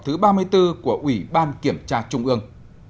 họp thứ ba mươi bốn của ủy ban kiểm tra trung ương